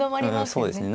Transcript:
そうですね。